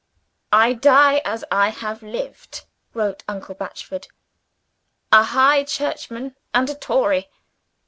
"I die as I have lived" (wrote uncle Batchford), "a High Churchman and a Tory.